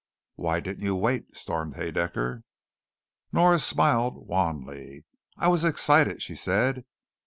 "Why didn't you wait?" stormed Haedaecker. Nora smiled, wanly. "I was excited," she said.